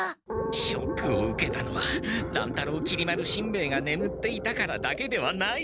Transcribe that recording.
ショックを受けたのは乱太郎きり丸しんべヱがねむっていたからだけではない。